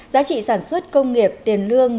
giá trị sản xuất công nghiệp tiền lương